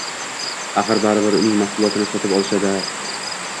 axir, baribir uning mahsulotini sotib olishadi-da.